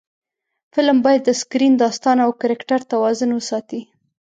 فلم باید د سکرېن، داستان او کرکټر توازن وساتي